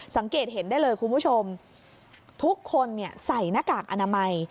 สังเกตเห็นได้เลยคุณผู้ชมทุกคนเนี่ยใส่หน้ากากอนามัย